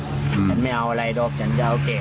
จนไม่เอาอะไรออกจนจะเอาแก่